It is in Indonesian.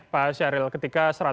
pak syahril ketika satu ratus dua